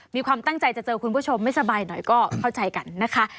มีความตั้งใจจะเจอคุณผู้ชมไม่สบายหน่อยก็เข้าใจกันนะคะ